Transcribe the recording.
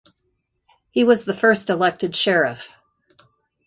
He was the first elected sheriff.